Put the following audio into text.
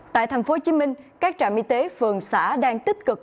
tại tp hcm các trạm y tế phường xã đang tích cực